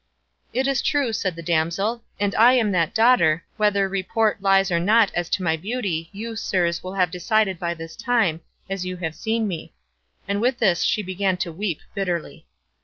"It is true," said the damsel, "and I am that daughter; whether report lies or not as to my beauty, you, sirs, will have decided by this time, as you have seen me;" and with this she began to weep bitterly.